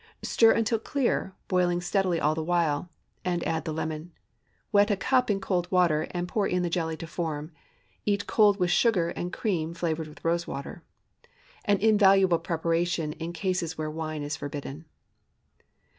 Stir until clear, boiling steadily all the while, and add the lemon. Wet a cup in cold water, and pour in the jelly to form. Eat cold with sugar and cream flavored with rose water. An invaluable preparation in cases where wine is forbidden.